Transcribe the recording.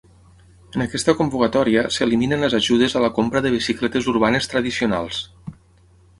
En aquesta convocatòria s’eliminen les ajudes a la compra de bicicletes urbanes tradicionals.